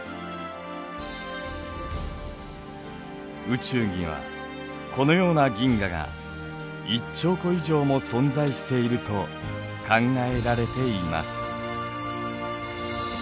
宇宙にはこのような銀河が１兆個以上も存在していると考えられています。